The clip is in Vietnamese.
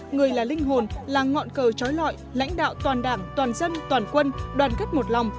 người là linh hồn là ngọn cờ trói lọi lãnh đạo toàn đảng toàn dân toàn quân đoàn kết một lòng